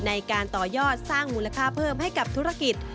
ในการต่อยอดสร้างมูลค่าเพิ่มให้กับธุรกิจ